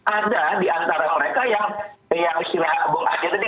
ada diantara mereka yang yang istilah bung adi tadi